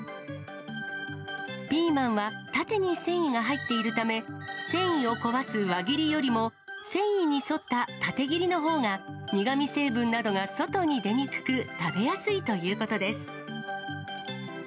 ピーマンは縦に繊維が入っているため、繊維を壊す輪切りよりも、繊維に沿った縦切りのほうが、苦み成分などが外に出にくく、食べやすいということです。